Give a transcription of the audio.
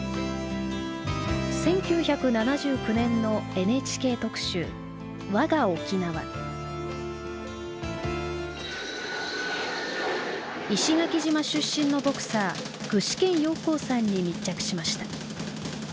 １９７９年のＮＨＫ特集石垣島出身のボクサー具志堅用高さんに密着しました。